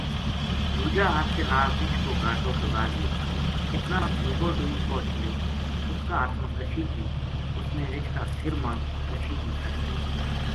دوجا ہتھ کے نال رچھ کو گاٹو دُبا لیو اتنا ما یوبو ڈوئی پوہچ گیو اُس کا ہتھ ما کشی تھی اس نے رچھ کا سر ما کشی کی سَٹ کری